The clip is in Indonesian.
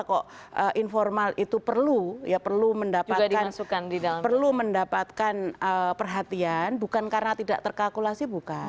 mengapa kok informal itu perlu mendapatkan perhatian bukan karena tidak terkalkulasi